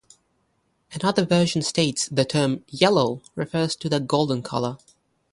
Another version states the term "yellow" refers to the golden color.